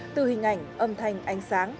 từ hình ảnh âm thanh ánh sáng